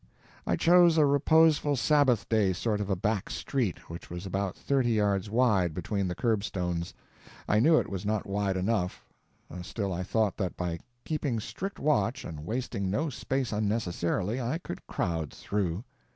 I chose a reposeful Sabbath day sort of a back street which was about thirty yards wide between the curbstones. I knew it was not wide enough; still, I thought that by keeping strict watch and wasting no space unnecessarily I could crowd through.